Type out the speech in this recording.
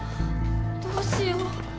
どうしよう。